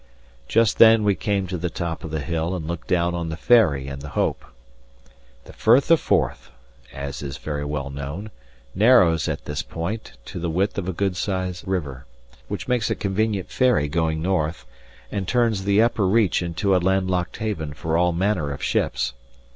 Just then we came to the top of the hill, and looked down on the Ferry and the Hope. The Firth of Forth (as is very well known) narrows at this point to the width of a good sized river, which makes a convenient ferry going north, and turns the upper reach into a landlocked haven for all manner of ships.